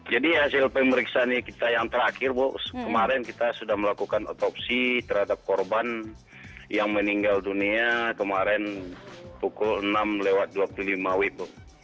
jadi hasil pemeriksaan kita yang terakhir bu kemarin kita sudah melakukan otopsi terhadap korban yang meninggal dunia kemarin pukul enam lewat dua puluh lima wib